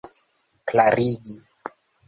klarigi